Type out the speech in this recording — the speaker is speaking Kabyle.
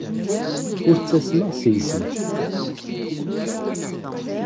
Ur ttasmeɣ seg-sent.